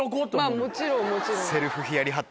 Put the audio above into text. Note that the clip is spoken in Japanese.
まぁもちろんもちろん。